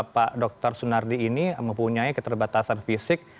pak dr sunardi ini mempunyai keterbatasan fisik